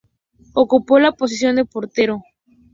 Ocupo la posición de portero.